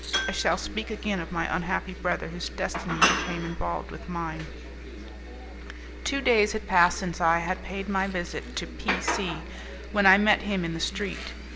I shall speak again of my unhappy brother whose destiny became involved with mine. Two days had passed since I had paid my visit to P C , when I met him in the street.